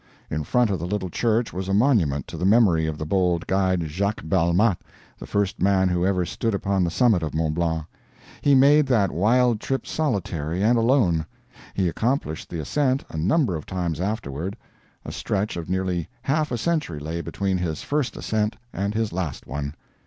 In front of the little church was a monument to the memory of the bold guide Jacques Balmat, the first man who ever stood upon the summit of Mont Blanc. He made that wild trip solitary and alone. He accomplished the ascent a number of times afterward. A stretch of nearly half a century lay between his first ascent and his last one.